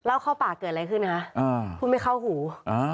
เล่าเข้าปากเกิดอะไรขึ้นนะฮะอ่าพูดไม่เข้าหูอ่า